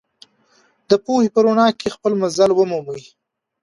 د پوهې په رڼا کې خپل منزل ومومئ.